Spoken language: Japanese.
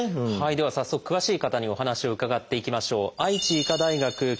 では早速詳しい方にお話を伺っていきましょう。